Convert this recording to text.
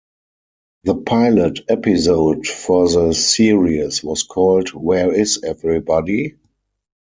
The pilot episode for the series was called Where is Everybody?